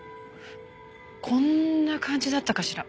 こんな感じだったかしら。